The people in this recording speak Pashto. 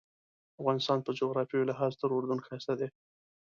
افغانستان په جغرافیوي لحاظ تر اردن ښایسته دی.